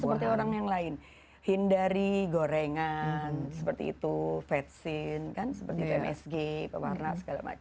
sama seperti orang yang lain hindari gorengan seperti itu vetsin kan seperti itu msg pewarna